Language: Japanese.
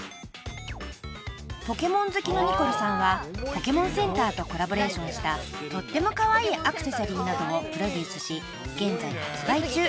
［『ポケモン』好きのニコルさんはポケモンセンターとコラボレーションしたとってもカワイイアクセサリーなどをプロデュースし現在発売中］